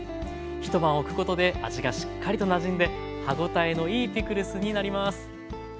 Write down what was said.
一晩おくことで味がしっかりとなじんで歯応えのいいピクルスになります。